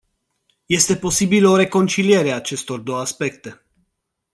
Este posibilă o reconciliere a acestor două aspecte.